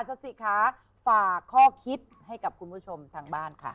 สาธิครับฝากข้อคิดทำให้คุณผู้ชมบ้าน